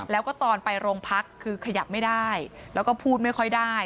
แล้วก็ตอนไปโรงพักคือขยับไม่ได้แล้วก็พูดไม่ค่อยได้